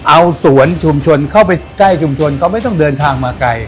เอาสวนชุมชนเข้าไปใกล้ชุมชนเขาไม่ต้องเดินทางมาไกล